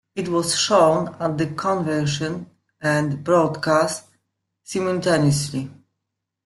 It was shown at the convention and broadcast simultaneously.